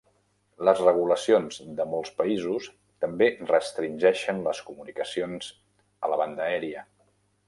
Les regulacions de molts països també restringeixen les comunicacions a la banda aèria.